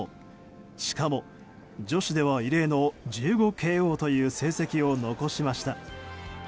しかも女子では異例の１５ＫＯという成績を残しました。